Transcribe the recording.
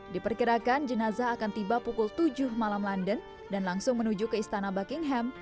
diperkirakan jenazah akan tiba pukul tujuh malam london dan langsung menuju ke istana buckingham